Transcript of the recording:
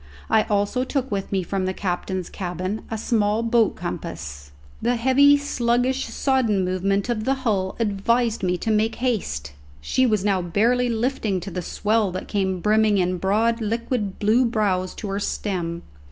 I also took with me from the captain's cabin a small boat compass. The heavy, sluggish, sodden movement of the hull advised me to make haste. She was now barely lifting to the swell that came brimming in broad liquid blue brows to her stem.